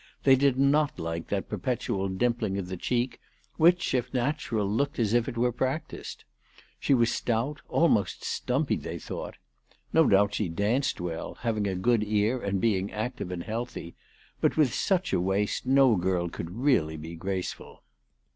They did not like that perpetual dimpling of the cheek which, if natural, looked as if it were practised. She was stout, almost stumpy, they thought. No doubt she danced well, having a good ear and being active and healthy ; but with such a waist no girl could really be graceful.